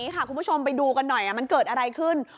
คุณผู้ชมไปดูกันหน่อยมันเกิดอะไรขึ้น